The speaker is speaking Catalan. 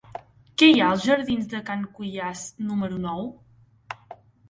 Què hi ha als jardins de Can Cuiàs número nou?